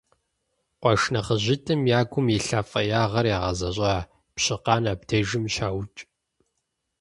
Къуэш нэхъыжьитӀым я гум илъа фӀеягъэр ягъэзащӀэ: Пщыкъан абдежым щаукӀ.